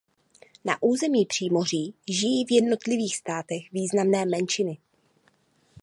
Na území Přímoří žijí v jednotlivých státech významné menšiny.